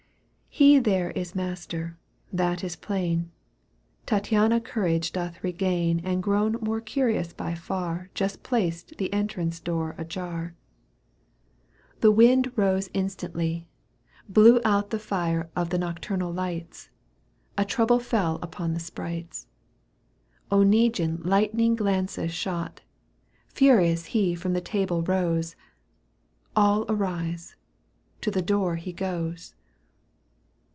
He there is master— that is plain ; Tattiana courage doth regain And grown more curious by far Just placed the entrance door ajar. The wind rose instantly, blew out Digitized by VjOO^LC 1 138 EUGENE ON^GUINE. canto v. The fire of the nocturnal lights ; A trouble fell upon the sprites ; Oneguine lightning glances shot ; Furious he from the table rose ; у All arise. To the door he goes.